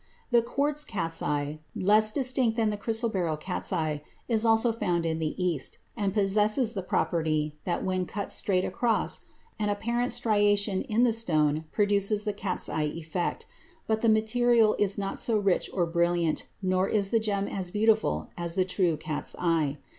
The quartz cat's eye, less distinct than the chrysoberyl cat's eye, is also found in the East, and possesses the property that when cut straight across, an apparent striation in the stone produces the cat's eye effect, but the material is not so rich or brilliant nor is the gem as beautiful as is the true cat's eye.